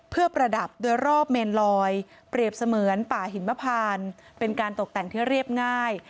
เพื่อประดับโดยรอบเมนลอยเปรียบเสมือนป่าหิมพานเป็นการตกแต่งที่เรียบง่าย